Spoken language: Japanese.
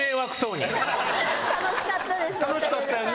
楽しかったです。